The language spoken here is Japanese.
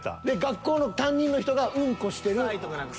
で学校の担任の人がう○こしてる臭い！